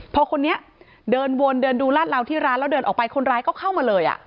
พอคนนี้เดินวนเดินดูลาดเหลาที่ร้านแล้วเดินออกไปคนร้ายก็เข้ามาเลย